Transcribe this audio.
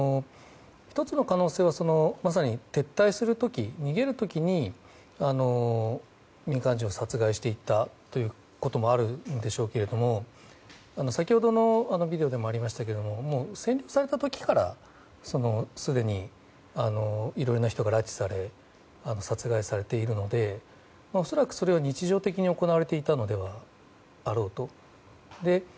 １つの可能性はまさに撤退する時逃げる時に、民間人を殺害していったということもあるんでしょうけど先ほどのビデオでもありましたけれども占領された時からすでにいろいろな人が拉致され殺害されているので恐らくそれは日常的に行われていたのだろうと。